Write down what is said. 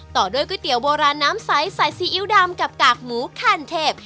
ต่อด้วยก๋วยเตี๋ยวโบราณน้ำใสใส่ซีอิ๊วดำกับกากหมูขั้นเทพ